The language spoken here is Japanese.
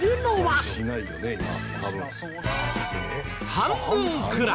半分くらい。